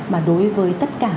mà đối với tất cả